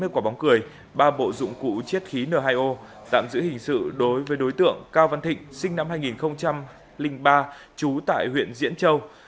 tám trăm chín mươi quả bóng cười ba bộ dụng cụ chiết khí n hai o tạm giữ hình sự đối với đối tượng cao văn thịnh sinh năm hai nghìn ba chú tại huyện diễn châu